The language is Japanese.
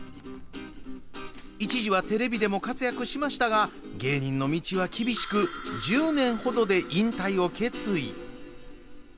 一時はテレビでも活躍しましたが芸人の道は厳しく１０年ほどで引退を決意。